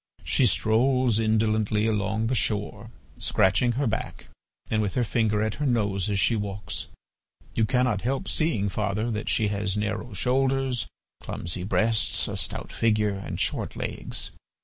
She strolls indolently along the shore, scratching her back and with her finger at her nose as she walks. You cannot help seeing, father, that she has narrow shoulders, clumsy breasts, a stout figure, and short legs.